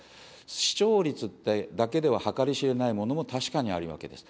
視聴率だけでは計り知れないものも確かにあるわけです。